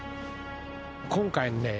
今回のね